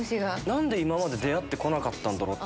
何で今まで出会って来なかったんだろう？